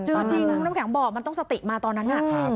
จริงน้ำแข็งบอกมันต้องสติมาตอนนั้นน่ะ